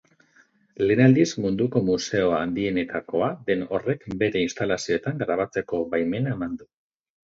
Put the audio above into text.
Lehen aldiz munduko museo handienetakoa den horrek bere instalazioetan grabatzeko baimena eman du.